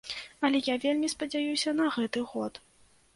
Але я вельмі спадзяюся на гэты год.